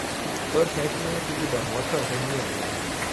泽田汐音是日本模特儿和女演员。